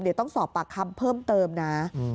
เดี๋ยวต้องสอบปากคำเพิ่มเติมนะ